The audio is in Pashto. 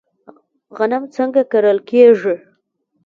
غنم څنګه کرل کیږي؟